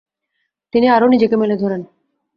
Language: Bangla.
তিনি আরও নিজেকে মেলে ধরেন।